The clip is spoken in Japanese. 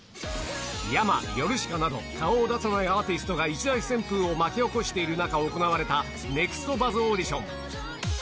ヤマ、ヨルシカなど顔を出さないアーティストが一大旋風を巻き起こしている中、行われた、ネクストバズオーディション。